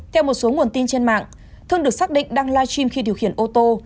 theo một số nguồn tin trên mạng thương được xác định đang live stream khi điều khiển ô tô